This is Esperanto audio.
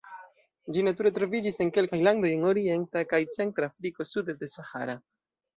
Ĝi nature troviĝis en kelkaj landoj en Orienta kaj Centra Afriko sude de Sahara.